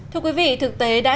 thưa quý vị thực tế đã